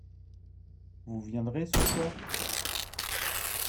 Vous viendrez ce soir.